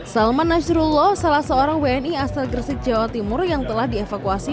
salman nasrullah salah seorang wni asal gresik jawa timur yang telah dievakuasi